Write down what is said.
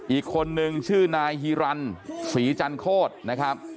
อีกคนนึงชื่อนายฮีรันศรีจันโคตรนะครับ